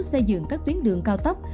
xây dựng các tuyến đường cao tốc